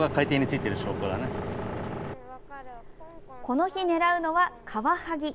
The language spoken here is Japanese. この日狙うのは、カワハギ。